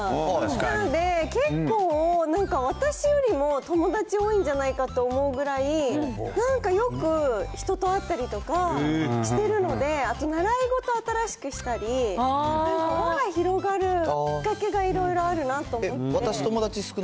なので、結構なんか私よりも友達多いんじゃないかと思うくらい、なんかよく人と会ったりとかしてるので、あと、習い事新しくしたり、輪が広がるきっかけがいろいろあるなと思って。